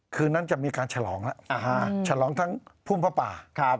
คืนนั้นจะมีการฉลองแล้วฉลองทั้งพุ่มพระป่า